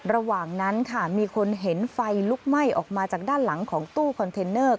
ระหว่างนั้นค่ะมีคนเห็นไฟลุกไหม้ออกมาจากด้านหลังของตู้คอนเทนเนอร์